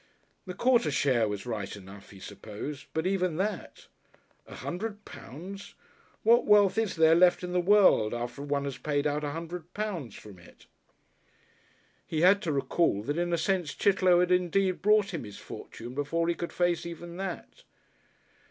The quarter share was right enough, he supposed, but even that ! A hundred pounds! What wealth is there left in the world after one has paid out a hundred pounds from it? He had to recall that in a sense Chitterlow had indeed brought him his fortune before he could face even that.